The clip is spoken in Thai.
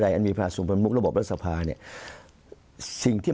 มุมนักวิจักรการมุมประชาชนทั่วไป